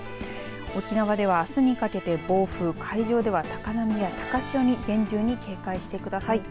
沖縄ではあすにかけて暴風海上では高波や高潮に厳重に警戒してください。